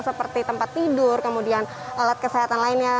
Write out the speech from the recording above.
seperti tempat tidur kemudian alat kesehatan lainnya